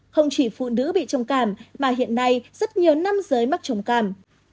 không chỉ phụ nữ bị trầm cảm mà hiện nay rất nhiều nam giới mắc trầm cảm